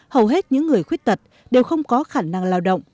hầu hết những người khuyết tật đều không có khả năng lao động